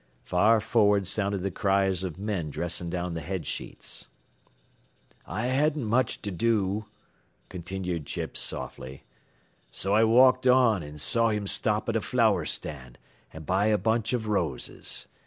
Far forward sounded the cries of men dressing down the head sheets. "I hadn't much to do," continued Chips, softly, "so I walked on an' saw him stop at a flower stand an' buy a bunch av roses.